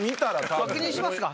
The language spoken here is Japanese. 確認しますか。